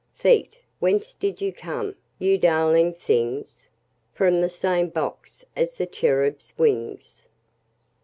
Feet, whence did you come, you darling things? From the same box as the cherubs' wings.